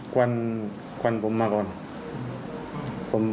ครับมันประหลาบ